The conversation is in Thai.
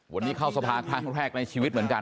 วันนี้เข้าสภาครั้งแรกในชีวิตเหมือนกัน